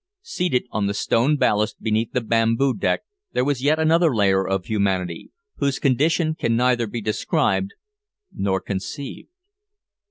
Seated on the stone ballast beneath the bamboo deck there was yet another layer of humanity, whose condition can neither be described nor conceived.